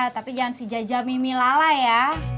tapi jangan si jajamimi lala ya